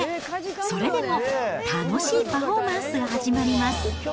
それでも、楽しいパフォーマンスが始まります。